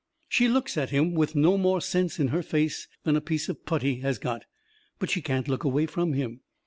She looks at him with no more sense in her face than a piece of putty has got. But she can't look away from him.